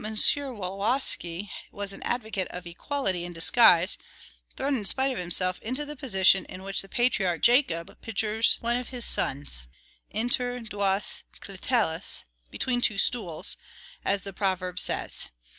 Wolowski was an advocate of equality in disguise, thrown in spite of himself into the position in which the patriarch Jacob pictures one of his sons, inter duas clitellas, between two stools, as the proverb says.